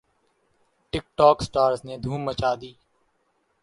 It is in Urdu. ٹک ٹوک سٹارز نے دھوم مچا دی